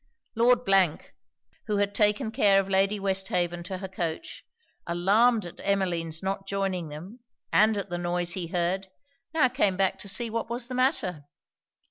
Lord who had taken care of Lady Westhaven to her coach, alarmed at Emmeline's not joining them, and at the noise he heard, now came back to see what was the matter.